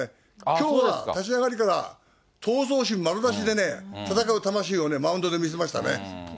きょうは立ち上がりから闘争心丸出しでね、戦う魂をマウンドで見せましたね。